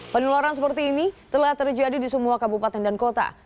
penularan seperti ini telah terjadi di semua kabupaten dan kota